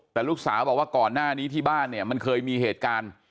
แต่ลูกสาวบอกว่าก่อนหน้านี้ที่บ้านเนี่ยมันเคยมีเหตุการณ์